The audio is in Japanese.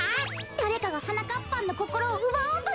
だれかがはなかっぱんのこころをうばおうとしてるってこと？